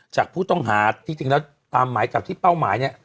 จากผู้ต้องหาที่จริงแล้วตามหมายจับที่เป้าหมายเนี่ย